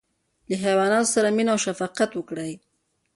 له حیواناتو سره مینه او شفقت وکړئ.